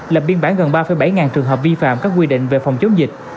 lập biên bản gần ba bảy ngàn trường hợp vi phạm các quy định về phòng chống dịch